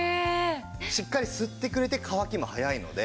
しっかり吸ってくれて乾きも早いので。